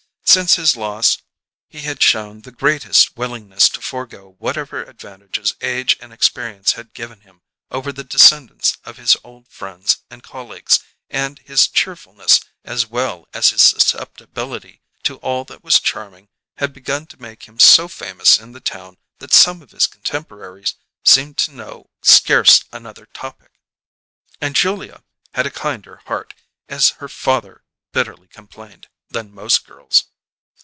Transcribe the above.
Since his loss he had shown the greatest willingness to forego whatever advantages age and experience had given him over the descendants of his old friends and colleagues, and his cheerfulness as well as his susceptibility to all that was charming had begun to make him so famous in the town that some of his contemporaries seemed to know scarce another topic. And Julia had a kinder heart, as her father bitterly complained, than most girls.